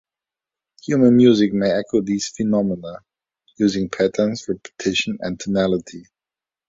Human music may echo these phenomena using patterns, repetition and tonality.